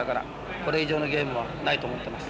これ以上のゲームはないと思ってます。